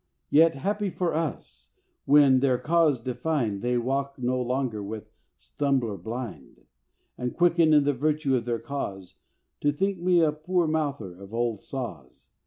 Yet, happy for us when, their cause defined, They walk no longer with a stumbler blind, And quicken in the virtue of their cause, To think me a poor mouther of old saws!